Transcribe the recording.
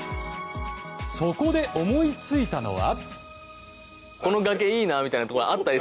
そこで、思いついたのは。